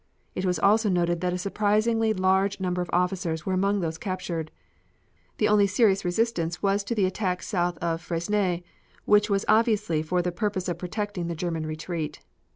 It was also noted that a surprisingly large number of officers were among those captured. The only serious resistance was to the attack south of Fresnes, which was obviously for the purpose of protecting the German retreat.